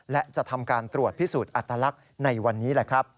และจะทำการตรวจพิสูจน์อัตลักษณ์ในวันนี้